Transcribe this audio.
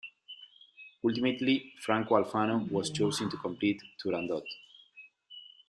Ultimately Franco Alfano was chosen to complete "Turandot".